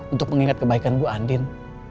untuk mengingat kebaikan bu andin